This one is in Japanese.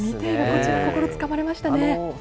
見ているこちらも、心つかまれましたね。